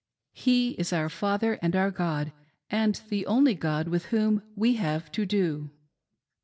He is. our ' Father and our God,' and the only god with whom we have to do."